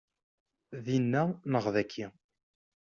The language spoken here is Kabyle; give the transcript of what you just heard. Dinna neɣ dagi?